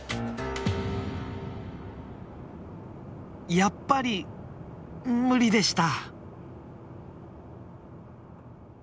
やっぱり無理でした。